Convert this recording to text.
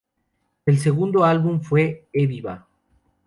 El segundo álbum E Viva!